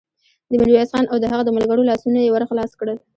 د ميرويس خان او د هغه د ملګرو لاسونه يې ور خلاص کړل.